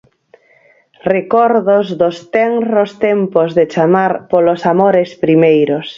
Recordos dos tenros tempos de chamar polos amores primeiros.